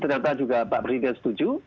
ternyata juga pak presiden setuju